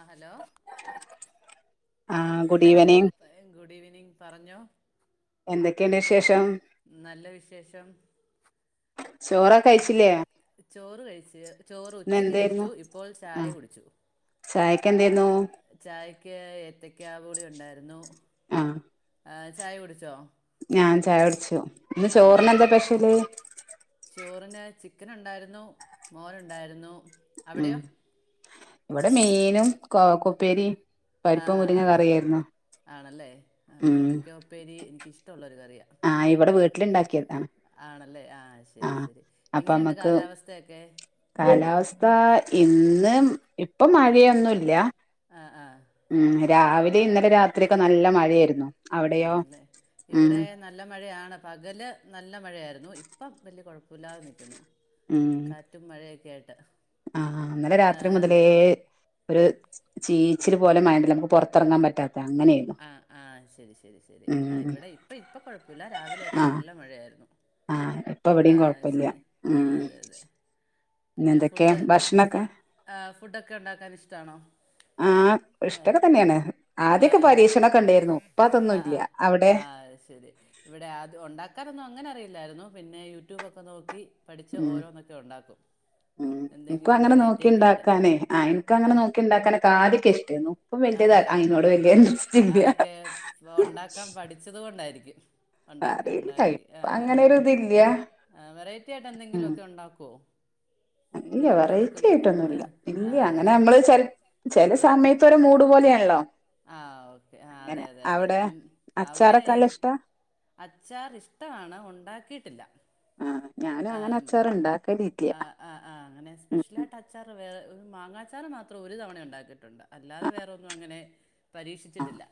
ആഹ് hello ആഹ് അപ്പേ good evening പറഞ്ഞോ. എന്തക്കേണ്ട് വിശേഷം? നല്ല വിശേഷം ചോറൊക്കെ കഴിച്ചില്ലേ ഇന്ന് ക്കാഹ് ചോറ് കഴിച്ച് ചോറ് ഉച്ചക്ക് എന്തായിരുന്നു കഴിച്ചു ഇപ്പോൾ ചായ ആ കുടിച്ചു. ചായക്ക് എന്തേര് ചായക്ക് ഏത്തക്കാബോളി ഉണ്ടായിരുന്നു. ആഹ് ആഹ് ചായ കുടിച്ചോ? ഞാൻ ചായ കുടിച്ചു. ഇന്ന് ആണല്ലേ ചോർനന്താ സ്പെഷ്യൽ? ചോറിന് ചിക്കൻ ഉണ്ടായിരുന്നു മോരുണ്ടായിരുന്നു. ഉം അവിടെയോ ഇവടെ മീനും കോവക്ക ഉപ്പേരിം. ആഹ് ആഹ് ആഹ് ആണല്ലേ ആഹ് ഉം കോവയ്ക്ക ഉപ്പേരി എനിക്കിഷ്ടമുള്ളൊരു കറിയാ. ആ ഇവടെ വീട്ടില്ണ്ടാക്കിയത. ആണല്ലേ ആഹ് ശരി ശരി. അപ്പൊ എങ്ങനെയുണ്ട് നമ്മക്ക് കാലാവസ്ഥയൊക്കെ? കാലാവസ്ഥ ഇന്ന് ഇപ്പം മഴയൊന്നുല്ല. ആഹ് ആഹ് ഉം രാവിലെ ഇന്നലെ രാത്രിയക്കെ നല്ല മഴയായിരുന്നു. അവിടെയോ ആണല്ലേ ഉം ഇവടെ നല്ല മഴയാണ് പകല് നല്ല മഴയായിരുന്നു ഇപ്പം വല്യ കൊഴപ്പല്ലാതെ നിൽക്കുന്നു. ഉം റ്റും മഴയക്കെ ആയിട്ട് ആ ഇന്നലെ ആ രാത്രി ആ മുതലേ ഒര് ചീച്ചില് പോലെ മഴയിണ്ടല്ലോ നമുക്ക് പൊറത്തിറങ്ങാൻ പറ്റാ ആഹ് ആഹ് ശരി ശരി ശരി ആഹ് ഉം ഇവടെ ഇപ്പേ ഇപ്പം കൊഴപ്പല്ല രാവിലെയൊക്കെ ആഹ് നല്ല മഴയായിരുന്നു. ആഹ് [unintelligible] ആഹ് കൊഴപ്പല്ല ശരി ഉം ആഹ് അതെ അതെ പിന്നെ എന്തൊക്കെ ഫുഡ് ഫു ഭക്ഷണൊക്കെ ആ ഫുഡൊക്കെ ഉണ്ടാക്കാൻ ഇഷ്ടാണോ? ആഹ് ഇഷ്ടൊക്കെ തന്നെയാണ് ആ ആദ്യക്കെ ആ പരീക്ഷണൊക്കെ ഉണ്ടായിരുന്നു ഇപ്പ അതൊന്നുംല്ല. അവടെ? അഹ് ശരി ഇവടെ അത് ഉണ്ടാക്കാനൊന്നും അങ്ങനെ അറിയില്ലായിരുന്നു പിന്നെ യൂട്യൂബൊക്കെ നോക്കി പഠിച്ച് ഉം ഓരോന്നൊക്കെ ഉണ്ടാക്കും. ഉം ഇൻക്കും എന്തെങ്കിലും അങ്ങനെ വെറൈറ്റി നോക്കി ഒക്കെ ആയിട്ട് ഇണ്ടാക്കാനെ ആ ഇൻക്ക് ആ അങ്ങനെ നോക്കി ഇണ്ടാക്കാനൊക്കെ ആദ്യക്കെ ഇഷ്ടേന്നു. ഇപ്പം ആ വല്യതാ ആ ആ അയിനോട് വല്യ ഇൻഡ അതൊക്കെ ഉണ്ടാക്കാൻ പഠിച്ചത് കൊണ്ടായിരിക്കും. ഉണ്ടാക്കി ഉണ്ടാക്കി ആഹ് ആഹ് ആഹ് ഇപ്പല്ല്യ ആ വെറൈറ്റി ആയിട്ട് എന്തെങ്കിലുക്കെ ഉണ്ടാക്കോ? ഇല്ല വെറൈറ്റി ആയിട്ടൊന്നുല്ല ആ ഇല്ല അങ്ങനെ ശരി നമ്മള് ശരി ചെൽ ചെല ആ സമയ ത്തൊരു മൂട് പോലെയാണല്ലോ. ആ ഓക്കെ ആ അതെ അങ്ങനെ അതെ അതെ അവിടെ ഇൻ അവടെ അച്ചാറൊക്കെ നല്ല ഇഷ്ടാ [unintelligible] അച്ചാർ ഇഷ്ടമാണ് ഉണ്ടാക്കിയിട്ടില്ല. ആഹ് ഞാനും അങ്ങനെ ആം അച്ചാർ ഇണ്ടാക്കലില്ല ആഹ് ആഹ് ആഹ് അങ്ങനെ ഉം ഉം സ്പെഷ്യലായിട്ട് അ അച്ചാറ് വേറെ മാങ്ങാച്ചാറ് മാത്രം ഒരു തവണ ഉണ്ടാക്കിയിട്ടുണ്ട് അല്ലാതെ ആഹ് വേറൊന്നും അങ്ങനെ ആഹ് പരീക്ഷിച്ചിട്ടില്ല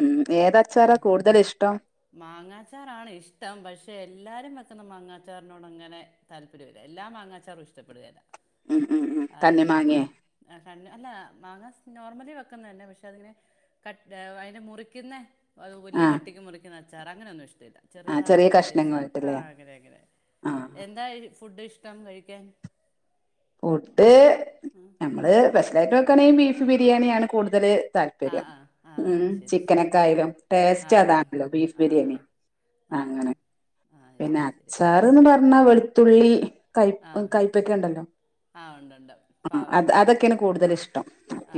ഉം ഏതച്ചാറാ ആഹ് കൂടുതൽ ഇഷ്ടം മാങ്ങാച്ചാറാണ് ഇഷ്ടം പക്ഷെ എല്ലാരും വെക്കുന്ന മാങ്ങാച്ചാർ നോടങ്ങനെ താല്പര്യം ഇല്ല. എല്ലാ മാങ്ങാച്ചാറും ഇഷ്ടപ്പെടുകയില്ല. ഉം ഉം ഉം ആ തണ്ണിമാങ്ങേ അല്ല മാങ്ങാ നോർമലി വെക്കുന്നതന്നെ പക്ഷെ അതിങ്ങനെ കട്ട് അയിനെ മുറിക്കുന്നേ അത് വല്യ ആഹ് കട്ടിക്ക് മുറിക്കുന്നച്ചാറ് അങ്ങനെയൊന്നും ഇഷ്ടമില്ല. ആഹ് ചെറുതായിട്ട് ചെറിയ കണ്ടിച്ച് കഷ്ണങ്ങളായിട്ടല്ലേ അങ്ങനെ അങ്ങനെ ആഹ് എന്താ ഫുഡ് ഇഷ്ടം കഴിക്കാൻ ഫുഡ് നമ്മള് സ്പെഷ്യലായിട്ട് വെക്കാണെങ്കിൽ ബീഫ് ബിരിയാണിയാണ് കൂടുതല് ആ താല്പര്യം. ആ ആ ഉം. ശരി ശരി ചിക്കനെക്കായാലും ടേസ്റ്റ് അതാണല്ലോ ബീഫ് ബിരിയാണി ആം അങ്ങനെ പിന്നെ അച്ചാർ എന്ന് പറഞ്ഞാ വെളുത്തുള്ളി കൈ ആ കയ്പ്പക്കെ ഉണ്ടല്ലോ ആ ഉണ്ട് ഉണ്ട് ആഹ് അത് പാവയ്ക്ക അതൊക്കെയാണ് കൂടുതൽ ഇഷ്ടം.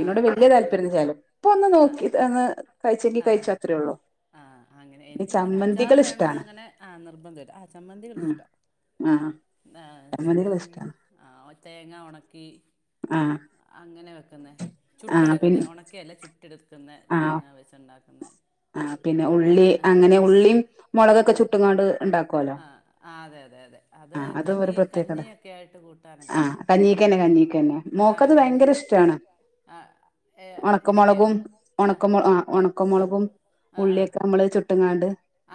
ആ വല്യ ശരി താല്പര്യംന്നും ഇല്ലാലോ ഇപ്പൊ ഒന്ന് നോക്കിയതാണ് അഹ് ആഹ് ആ അങ്ങനെ ഈ എനിക്കും അങ്ങനെ അച്ചാറ് ചമ്മന്തികൾ വേണംന്ന് ഇഷ്ടാണ് അങ്ങന ആ നിർബന്ധമില്ല ചമ്മന്തികള് ഇഷ്ട ആഹ്. പിന്നെ ചമ്മന്തി ആ തേങ്ങ ഉണക്കി ആഹ് അങ്ങനെ വെക്കുന്ന പിൻ ചുട്ടെടുക്കുന്ന ഉണക്കിയല്ല ചുട്ടെടുക്കുന്നത്. ആ തേങ്ങ വെച്ചുണ്ടാക്കുന്നത്. ആ പിന്നെ ഉള്ളി ആ അങ്ങനെ ആ ഉള്ളിയും മുളകൊക്കെ ചുട്ടുങ്ങാണ്ട് ഉണ്ടാക്കുവല്ലോ. ആ ആ അതെ അതെ അതെ അത് ആഹ് അതും കഞ്ഞി പ്രത്യേകത കഞ്ഞിയൊക്കെ ആയിട്ട് ആ കൂട്ടാനൊക്കെ കഞ്ഞീക്കന്നെ കഞ്ഞീക്കന്നെ ആ മോക്ക് അത് കഞ്ഞി ഭയങ്കര ഇഷ്ടാണ് ആ ഏ, എനിക്ക് ഒണക്കമുളകും ഒണക്ക ആ ഒണ ആ ക്കമുളകും ഉള്ളിയൊക്കെ നമ്മള് ചുട്ടുങ്ങാണ്ട്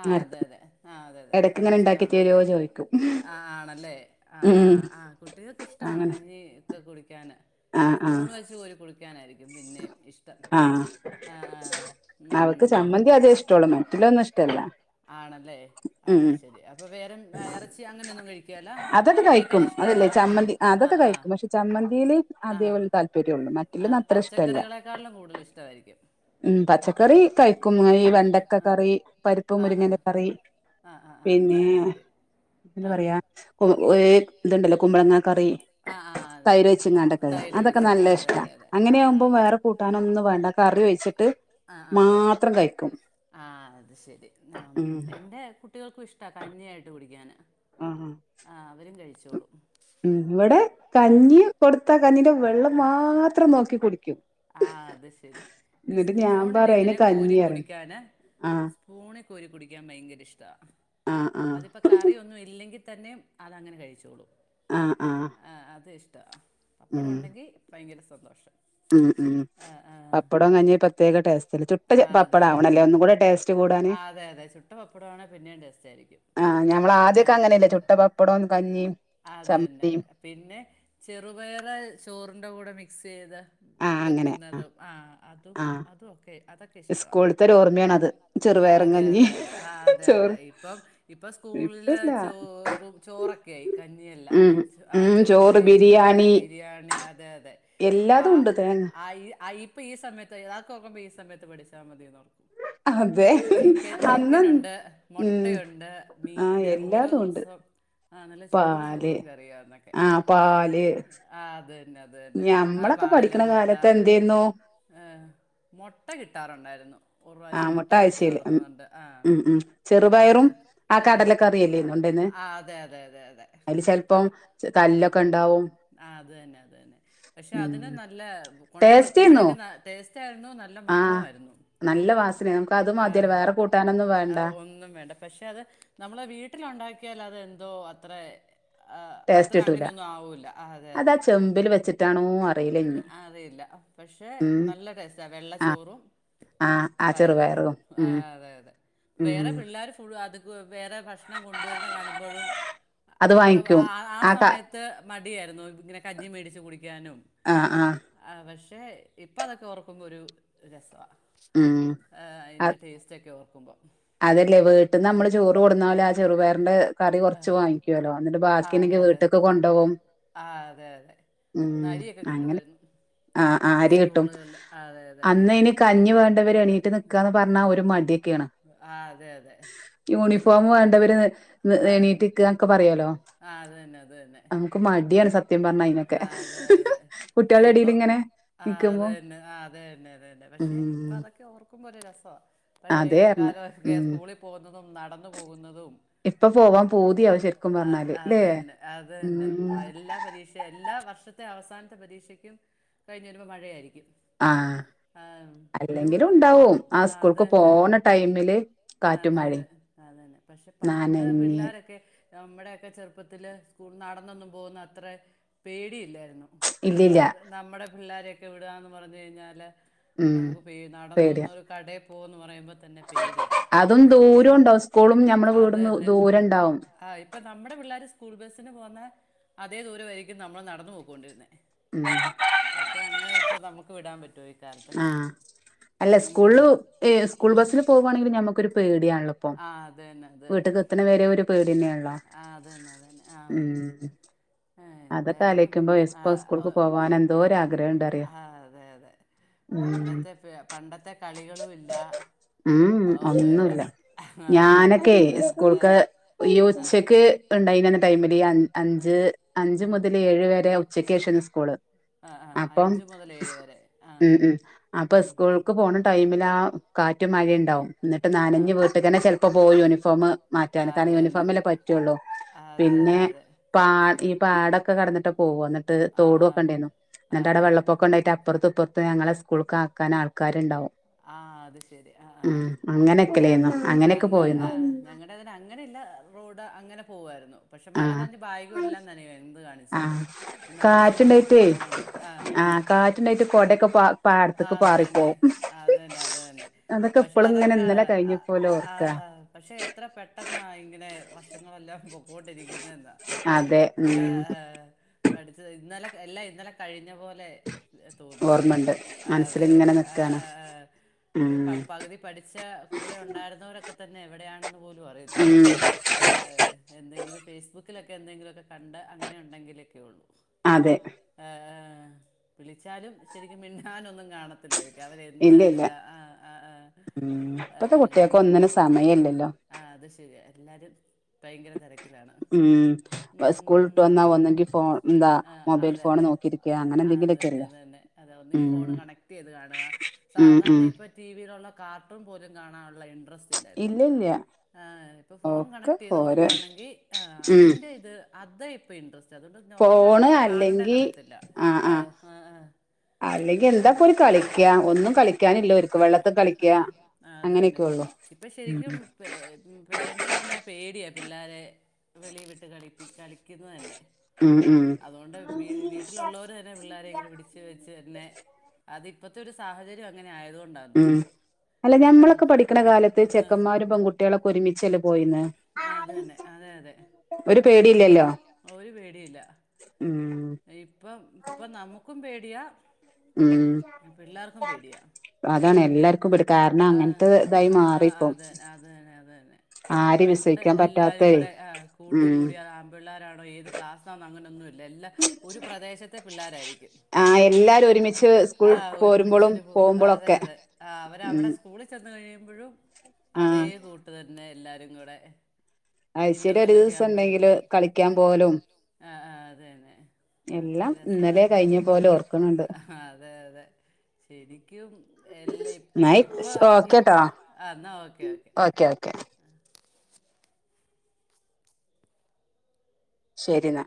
ആഹ് അതെ അതെ ആഹ് അതെ അതെ അത് ഉണ്ടാക്കി ഇഷ്ടമാണ് തരുവോ ചോദിക്കും ആണല്ലേ ആഹ് ഉം ആഹ് ആഹ് കുട്ടികൾക്ക് ഇഷ്ടമാണ് അങ്ങനെ കഞ്ഞി ഒക്കെ കുടിക്കാന് ആഹ് സ്പൂൺ ആഹ് വെച്ച് കോരി കു ടിക്കാനായിരിക്കും പിന്നെ ഇഷ്ടം ആഹ് ആഹ് ആഹ് ഉം അവക്ക് ഉം ആൾക്ക് അതേ ചമ്മന്തി ആദ്യ ഇഷ്ടള്ളൂ ഇഷ്ടോണ് മറ്റുള്ളൊന്നും ഇഷ്ടല്ല ആണല്ലേ ഉം അയിശരി അപ്പൊ വേറെന്നും ഇറച്ചി അങ്ങനന്നും കഴിക്കേലാ ഒക്കെ കഴിക്കും അതല്ലേ ചമ്മന്തി അതൊക്കെ കഴിക്കും പക്ഷെ ചമ്മന്തീല് ആ അതേ ഓൻ താല്പര്യം ഉള്ളൂ ആ, മറ്റേലൊന്നു പച്ചക്കറികളെക്കാളിലും കൂടുതല് ഇഷ്ടായിരിക്കും ഉം പച്ചക്കറി കയ്ക്കും മോന് വെണ്ടക്കകറി പരിപ്പും മുരിങ്ങന്റെ കറി ആഹ് ആഹ് ആഹ് അത് പിന്നെ ശരി ശരി എന്താ ആ പറയാ ആ ഇത്ണ്ടല്ലോ കുമ്പളങ്ങ കറി ആ ആ അതെ അതെ തൈര് കു ത് തൈര് അതൊക്ക ഒഴിച്ച് ആ നല്ല അതെ ഇഷ്ടാ അതെ അതെ ആ ഇങ്ങനെയാകുമ്പോം വേറെ കൂട്ടാനൊന്നും വേണ്ട കറി ഒഴിച്ചിട്ട് മാത്രം കഴിക്കും ആഹ് അത്ശരി ഉം എന്റെ കുട്ടികൾക്കും ഇഷ്ടാ കഞ്ഞിയായിട്ട് കുടിക്കാന് ആഹ് ആഹ് അവരും കഴിച്ചോളൂ ഉം ഇവിടെ കഞ്ഞി കൊടുത്ത കഞ്ഞിന്റെ വെള്ളം മാത്രം നോക്കി കുടിക്കും ആഹ് അത്ശരി ഇത് എന്നിട്ട് ഞാൻ പറയും അയിന് സ്പൂണില്ങ്ങനെ കോരി കഞ്ഞി പറയും കുടിക്കാന് ആഹ് സ്പൂണ് കോരി കുടിക്കാൻ ഭയങ്കര ഇഷ്ടാ ആഹ് ആഹ് അതിപ്പ കറിയൊന്നും ഇല്ലെങ്കിതന്നെ അതങ്ങനെ കഴിച്ചോളൂ ആഹ് ആഹ് ആഹ് അത് ഇഷ്ടവാ പപ്പടം ഉം ഉണ്ടെങ്കി ഭയങ്കര സന്തോഷം ഉം ഉം ആ ആ പപ്പടവും കഞ്ഞി പ്രത്യേക ടേസ്റ്റ്ല്ല ചുട്ട പപ്പടം ആവണല്ലേ ഒന്നും കൂടെ ടേസ്റ്റ് ടേസ്റ്റ് കൂടാന് ആഹ് അതെ അതെ ചുട്ട പപ്പടവാണേ പിന്നെയും ടേസ്റ്റ്‌ ആയിരിക്കും ആഹ് ഞമ്മളാദ്യൊക്കെ അങ്ങനല്ലേ ചുട്ട പപ്പടോം കഞ്ഞിം അതന്നെ പിന്നെ റുപയറ് ചോറിന്റെ കൂടെ മിക്സെയ്ത് ആഹ് അങ്ങനെ വെക്കുന്നതും ആഹ് അതും ആഹ് അത് ഓക്കെ, അതൊക്കെ ഇഷ് ടവാ. സ്കൂളത്തെ ഒരു ഓർമ്മയാണത് ആഹ് ചെറുപയറും അതെ കഞ്ഞി അതെ അതെ ആഹ് അതെ അതെ. ചോറ് ഇപ്പം ഇപ്പം സ്കൂൾല് ഇപ്പല്ല ചോറും ചോറൊക്കെയായി കഞ്ഞിയല്ല. ഉം ആഹ് ഉം ചോറ് ചോറായീ ബിരിയാണി ബിരിയാണി അതെ അതെ. പാ എല്ലാതും ഉണ്ട് തേങ്ങ അയി അയി ഇപ്പ ഈ സമയത്ത് അതൊക്ക നോക്കുമ്പൊ ഈ സമയത്ത് പഠിച്ചാ മതീന്നോർക്കും. അതെ അ ചിക്കൻ അന്ന് ചിക്കനുണ്ട്, ഉം മൊട്ടയുണ്ട്, ആഹ് മീന് ഓരോ എല്ലാതും ഉണ്ട് ദിവസം ആഹ് നല്ല ചൂട് പാല് ചോറും കറിയാ അന്നൊക്കെ. ആഹ് പാല് ആഹ് അത് തന്നെ അത് തന്നെ. ആഹ് ഞമ്മളൊക്കെ പാല് പഠിക്കണ മൊട്ടാ കാലത്ത് എന്തേന്നു ഏഹ് മൊട്ട കിട്ടാറുണ്ടായിരുന്നു. ഒരു പ്രാവശ്യം ആഹ് മുട്ട കിട്ടിയത് ആഴ്ചയില് ഉം ഓർക്കുന്നുണ്ട് ആഹ്. ഉം ഉം അത് ചെറുപയറും ആ ആഹ് കടലക്കറിയല്ലേന്നു ഉണ്ടേന്ന് ആഹ് അതെ അതെ അതെ അതെ. അതില് ക്ക ചെലപ്പം ആഹ് കല്ലൊക്കെ ഉണ്ടാവും ആഹ് അത് തന്നെ അത് തന്നെ. പക്ഷെ ഉം അതിന് നല്ലേ കൊണ്ട ടേസ്റ്റേന്നു വെക്കുമ്പൊഴേക്കും ന ടേസ്റ്റായിരുന്നു, നല്ല ആഹ് മണവുമായിരുന്നു. നല്ല വാസനയാ നമുക്ക് അത് മതിയല്ലോ ആഹ് വേറെ കൂട്ടാനൊന്നും വേണ്ട അത് ഒന്നും വേണ്ട പക്ഷെ അത് നമ്മളെ വീട്ടിലുണ്ടാക്കിയാല് അത് എന്തോ അത്രേ ആഹ് ടേസ്റ്റ് അത്രെ കിട്ടൂല അങ്ങനെയൊന്നു ആവൂല്ല. അതെ അതാ അതെ. ചെമ്പിൽ വെച്ചിട്ടാണോ അറിയില്ല ഇനി അ അറിയില്ല പക്ഷെ, ഉം നല്ല ടേസ്റ്റ റ്റ വെള്ള ആ ചോറും ആ ആ പയറും. ചെറുപയറും ഉം ആഹ് അതെ അതെ. ഉം വേറ പിൾ ള്ളാര് ഫുള്ള് അധികും വേറെ ഭക്ഷണം കൊണ്ടുവരുന്ന കാണുമ്പോഴും അത് ക്കെ വാങ്ങിക്കും ആഹ് ആ ക സമയത്ത് ക്കെ മടിയായിര്ന്നു ഇങ്ങനെ കഞ്ഞിം മേടിച്ച് കുടിയ്ക്കാനും ആഹ് ആഹ് ആഹ് പക്ഷേ ഇപ്പതൊക്കെ ഓർക്കുമ്പൊ ഒരു രസവാ. ഉം ആഹ് അയിൻ്റെ ടേസ്റ്റൊക്കെ ഓർക്കുമ്പം. അതല്ലെ വീട്ടിന്നമ്മള് ചോറ് കൊട്ന്നാല് ആ ചെറുപയറിന്റെ കറി കൊർച്ച് വാങ്ങി യ്ക്കോലോ, ഇന്ന്ട്ട് ബാക്കിണ്ടേങ്കി വീട്ട്ക്ക് കൊണ്ടോവും. ആഹ് അതെ അതെ. അരിയൊക്കെ കിട്ടുവായിരുന്നു. ആഹ് ആഹ് അരി കിട്ടും. അതെ അന്നയ്ന് കഞ്ഞിവേണ്ടവര് എണീറ്റ്നിക്കാന്ന് പർഞ്ഞാ ഒരു മട്യെക്കേണ്. ആഹ് അതെ അതെ. പക്ഷെ യൂണിഫോമ് ഇപ്പൊ വേണ്ടവര് എണീറ്റ് നിക്കാന്നൊക്കെ പറയോലോ. ആ അത് തന്നെ അത് തന്നെ ക്ക് മട്യാണ് സത്യം പർഞ്ഞാ അയ്നൊക്കെ. ആ അതെ അതെ പക്ഷെ കുട്ട്യാള് ഇപ്പൊ ആഹ് അത് തന്നെ ആഹ് അത് തന്നെ അത് തന്നെ. പക്ഷെ ഇപ്പൊ ഉം അതൊക്കെ ഓർക്കുമ്പൊ ഒരു രസവാ. പഴേ അതേർന്ന് കാലവൊക്കെ ഉം സ്കൂളി പോകുന്നതും നടന്നു പോകുന്നതും ഇപ്പൊ പോവാൻ പൂതിയാവും ശരിക്കും അത് പറഞ്ഞാല് ല്ലേ അത് തന്നെ അത് തന്നെ. ഉം പയ് എല്ലാ പരീക്ഷേ എല്ലാ വർഷത്തെ അവസാനത്തെ പരീക്ഷയ്ക്കും കഴിഞ്ഞു വരുമ്പൊ മഴയായിരിയ്ക്കും. ആഹ് അല്ലെങ്കിലും ഉണ്ടാവും, ആ സ്കൂൾക്ക് അതന്നെ പോണ ടൈമില് കാറ്റും അതെ അതെ മഴിം. അതന്നെ. പക്ഷെ പണ്ട് പിള്ളാരൊക്കെ നമ്മുടെയൊക്കെ ചെറുപ്പത്തില് സ്കൂള് നടന്നൊന്നും പോകുന്ന അത്രെ പേടിയില്ലായിരുന്നു. ഇല്ലില്ല ഇപ്പം നമ്മുടെ പിള്ളാരെയൊക്കെ വിടാന്ന് പറഞ്ഞ് കഴിഞ്ഞാല് ഉം നമുക്ക് പേ പേടിയാ നടന്നൊന്നൊരു കടേ പോ ന്ന് പറയുമ്പത് ത്തന്നെ പേടിയാ. അതും അന്നൊക്കെ ദൂരം ഉണ്ടാവും സ്കൂളും ഞമ്മളെ അത് വീടും തന്നെ ദൂരം ഉണ്ടാവും ആഹ് ഇ ഇപ്പൊ നമ്മുടെ പിള്ളേര് സ്കൂൾ ബസിന് പോവുന്ന അതേ ദൂരവായിരിക്കും നമ്മൾ നടന്ന പോക്കൊണ്ടിരുന്നേ ഉം പക്ഷെ അങ്ങനെ ഇപ്പൊ നമുക്ക് വിടാൻ പറ്റുവൊയ് ആഹ് അല്ല സ്കൂള് ഏഹ് സ്കൂൾ ബസില് പോവാണെങ്കി ഞമ്മുക്കൊരു പേടിയണല്ലോപോ ആതന്നെ വീട്ട്ക്ക് എത്തണവരെ ഒരു പേടി യെന്നെയള്ളോ ആഹ് അതന്നെ അതന്നെ ആഹ് ഏഹ് അതൊക്കെ എന്തായാലും ആലോയിക്കുമ്പോ ഇപ്പൊ സ്കൂൾക്ക് ആഹ് പോവാൻ എന്തോ ഒരു ആഗ്രഹണ്ട് അറിയ ആഹ് അതെ അതെ ഉം പണ്ടത്തെ പണ്ടത്തെ കളികളുല്ല ഉം ഒന്നുല്ല ഞാനൊക്കെ പിള്ളേർക്ക് ആ, ആ, സ്കൂൾക്കെ ഈഹ് ആ, ഉച്ചക്ക് ഇപ്പണ്ടായിനന്നെ ടൈമില് ഈഹ് അൻ അഞ്ച് അഞ്ചു മുതല് ഏഴ് വരെ ഉച്ചക്കേഷന്നെ സ്കൂള് ആ, ആ, അപ്പം അഞ്ച് മുതൽ ഏഴ് വരെ ആ ഉം ഉം അപ്പൊ ഉം. സ്കൂൾക്ക് പോണ ടൈമിലാ കാറ്റും മഴഇണ്ടാവും ഇന്നട്ട് ആ ആ നനഞ്ഞ് വീട്ട്ക്കന്നെ ചെൽപ്പോ പോവും യൂണിഫോമ് ആ, മാറ്റാന് അത് കാരണം തന്നെ യൂണിഫോമല്ലേ പറ്റുള്ളൂ അതെ അതെ പിന്നെ അതെ പാ ആ ഈ പാടൊക്കെ കടന്നിട്ട് പോവന്നട്ട് ട്ട് ആ തോടും ഒക്കെണ്ടായിരുന്നു ആ ആ എന്നിട്ടവിടെ ആ വെള്ളപ്പൊ ക്കൊണ്ടായിട്ട് അപ്പുറത്ത് ഇപ്പുറത്ത് ഞങ്ങളെ സ്കൂൾക്കാക്കൻ ആൾക്കാരുണ്ടാവും ആഹ് അത് ശരി ആഹ് ഉം ആഹ് ഞ അങ്ങനെയൊക്കെല്ലേന്നു അങ്ങനെയൊക്കെ ഞങ്ങൾ പോയിരുന്നു ആഹ് ഞങ്ങളടെതിന് അങ്ങനെയല്ല റോഡ് അങ്ങനെ പോകായിരുന്നു പക്ഷെ മഴ ആഹ് നനഞ്ഞു ബ്യാകും എല്ലാ നനയാരുന്നു എന്ത് കാണു ആഹ് കാറ്റുണ്ടായിട്ടേ കൊണ്ട് ആ ആഹ് കാറ്റുണ്ടായിട്ട് കൊടയൊക്കെ പാ പാടത്തേക്ക് അത് തന്നെ പാറിപ്പോവും അത് തന്നെ അത് തന്നെ അതൊക്കെ പക്ഷെ ഇപ്പളും ഇങ്ങനെ അതൊക്കെ ഇന്നലെ ആ, കഴിഞ്ഞപ്പോലെ ആ, ഓർക്കാ പക്ഷെ എത്ര പെട്ടെന്ന ഇങ്ങനെ വർഷങ്ങളെല്ലാം പൊക്കൊണ്ടിരിക്കുന്നെന്നാ അതെ ഉം ആഹ് ആഹ് പഠിച്ചത് ഇന്നലെ എല്ലാ ഇന്നലെ കഴിഞ്ഞ പോലെ തോന്നും ഓർമ്മണ്ട് മനസ്സിലിങ്ങനെ അതെതെ നിക്കാണ് ആഹ് ഉം ആഹ് പകുതി പഠിച്ച കൂടെ ഉണ്ടായിരുന്നവരൊക്കെത്തന്നെ എവിടെയാണെന്ന് പോലും ല്ലു ഉം അറിയത്തില്ല ഏഹ് എന്തെങ്കിലും ഫേസ്ബുക്കിലൊക്കെ എന്തെങ്കിലൊക്കെ കണ്ട അങ്ങനെ ഉണ്ടെങ്കിലൊക്കെയുള്ളൂ അതെ ആഹ് ഏഹ് വിളിച്ചാലും ശരിക്കും മിണ്ടാനൊന്നും കാണത്തില്ലായിരിക്കും അവരെ എന്ത ഇല്ല ഇല്ല അതിലാ ആഹ് ആഹ് ഉം ആഹ് ഇപ്പത്തെ അങ്ങനെ കുട്ടികൾക്ക് അവർക്ക് ഒന്നിനും സമയം സമയല്ലല്ലോ ഇല്ല ആഹ് അത് ശരിയാ എല്ലാരും ഭയങ്കര തെരക്കിലാണ് ഉം സ്കൂൾ ഉം വിട്ട് വന്നാ ഒന്നെങ്കി ഫോൺ എന്താ ആഹ് മൊബൈൽ അതെ ഫോൺ അതെ നോക്കിയിരിക്കുക അങ്ങനെ ആഹ് അതന്നെ എന്തെങ്കിലുമൊക്കെല്ലേ അതന്നെ അതെ ഒന്നങ്കി ഉം ഫോൺ കണക്ട്യ്ത് കാണ ഉം സാധാരണ ഉം ഇപ്പൊ ടി വിയിലുള്ള കാർട്ടൂൺ പോലും കാണാനുള്ള ഇൻട്രസ് തില്ലാ ഇപ്പൊ ഇല്ല ഇല്ല ഏഹ് ഇപ്പൊ ഫോൺ ഒക്കെ കണക്ട്യ്ത് ഓരോ കൊടുക്കോണെങ്കി ആഹ് ഉം അതിന്റെ ഇത് അത് ഇപ്പൊ ഇൻട്രസ്റ്റ് അതുകൊണ്ട് നോർമല ആയിട്ട് ഫോണ് എന്താ അല്ലെങ്കി കാണണ്ടന്ന്റിയത്തില്ല ആഹ് അല്ലെങ്കി എന്താ ഇപ്പോരു കളി കളിക്ക ആഹ് ആഹ് അതന്നെ അങ്ങനെയൊക്കെ ഉള്ളു ഇപ്പൊ ഉം ശരിക്കും പേരൻറ്സന്നെ പേടിയാ പിള്ളേരെ വെളി വിട്ട് കളിപ്പി കളിക്കുന്നന്നെ ഉം ഉം അതോണ്ട് വീ വീട്ടിലുള്ളവരെന്നെ പിള്ളേരെങ്ങനെ പിടിച്ചു വെച്ച് തന്നെ അതിപ്പോത്തെ ഒരു സാഹചര്യം അങ്ങനെ ആയത് കൊണ്ടാന്ന് ഉം തോന്നുന്നു അല്ല ഞമ്മളൊക്കെ പണ്ട് പഠിക്ണ കാലത്ത് ചെക്കന്മാരും പെകുട്ടികളൊക്കെ ഒരുമിച്ചല്ലേ പോയിന്ന് ആഹ് അതന്നെ അതെ അതെ ഒരു ഒരു പേടില്ല ഉം ഇപ്പം ഇപ്പം നമുക്കും പേടിയാ ഉം പിള്ളാർക്കും പേടിയാ അതാണ് എല്ലാർക്കും പേടി കാരണം ആഹ് അങ്ങനത്തെ ഇതായി ആഹ് മാറിപ്പം അത് തന്നെ അത് തന്നെ അത് തന്നെ ആരേം പണ്ട് വിശ്വസിക്കാൻ എല്ലാരും പറ്റാത്തെ ആഹ് കൂട്ടും ഉം കൂടി [unintelligible] പിള്ളോരാണോ ഏത് ക്ലാസ്സാണോ അങ്ങനെയൊന്നുല്ല എല്ലാ ഒരു പ്രദേശത്തെ പിള്ളോരായിരിക്കും ആഹ് എല്ലാരും ഒരുമിച്ച് സ്കൂൾ ആഹ് പോരുമ്പളും ഒരുമിച്ചൊരു പോക്കും അതെ പോകുമ്പളൊക്കെ അതെ ആ അവരവിടെ ഉം സ്കൂളിൽ ചെന്ന് കഴിയുമ്പഴും അതേ ആഹ് കൂട്ട് തന്നെ എല്ലാരും കൂടെ ആഴ്ചേല് ഒരു ഇന്റർവെല്ലൊക്കെ ദിവസം ഉണ്ടെങ്കില് ആവുമ്പഴേക്കും കളിക്കാൻ പോവലും ആഹ് ആഹ് അത് തന്നെ അതൊക്കെ ഒരു എല്ലാം ഇന്നലെ രസവായിരുന്നു കഴിഞ്ഞ പോലെ ഓർക്കണുണ്ട് ആഹ് അതെ അതെ ശരിക്കും എല്ലാ- എന്നായി ഇപ്പൊ ഓക്കേട്ടോ ആഹ് ന്നാ ഓക്കേ ഓക്കെ ആ ശരി ന്നാ